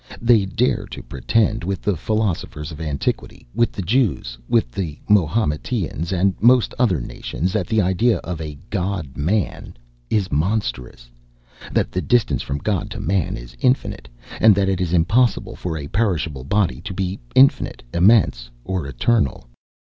They dare to pretend, with the philosophers of antiquity, with the Jews, the Mahometans, and most other nations, that the idea of a god man is monstrous; that the distance from God to man is infinite; and that it is impossible for a perishable body to be infinite, immense, or eternal.